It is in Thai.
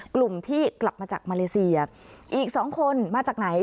กลุ่มที่กลับมาจากมาเลเซียอีกสองคนมาจากไหน